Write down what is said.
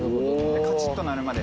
カチッと鳴るまで。